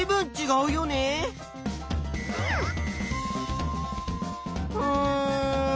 うん。